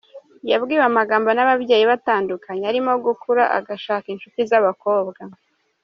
Yabwiwe amagambo n’ababyeyi be atandukanye arimo gukura agashaka inshuti z’abakobwa.